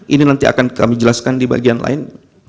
ini nanti akan kami jelaskan di bagian lain